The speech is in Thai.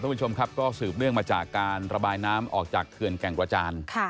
คุณผู้ชมครับก็สืบเนื่องมาจากการระบายน้ำออกจากเขื่อนแก่งกระจาน